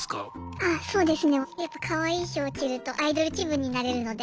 あそうですね。やっぱかわいい衣装を着るとアイドル気分になれるので。